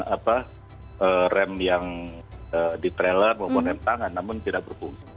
apa rem yang di trailer maupun rem tangan namun tidak berfungsi